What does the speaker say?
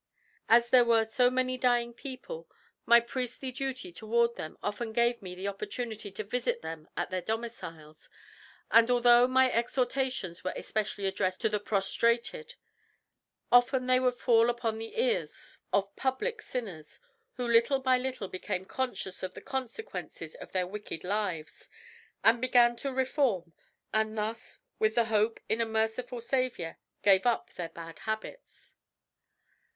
"As there were so many dying people, my priestly duty toward them often gave me the opportunity to visit them at their domiciles, and although my exhortations were especially addressed to the prostrated often they would fall upon the ears of public sinners, who little by little became conscious of the consequences of their wicked lives, and began to reform, and thus, with the hope in a merciful Saviour, gave up their bad habits.